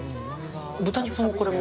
豚肉も、これも？